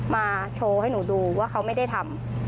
มาโชว์ให้หนูดูว่าเขาไม่ได้ทำ